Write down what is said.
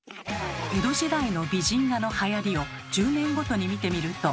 江戸時代の美人画のはやりを１０年ごとに見てみると。